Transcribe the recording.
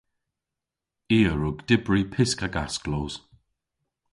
I a wrug dybri pysk hag asklos.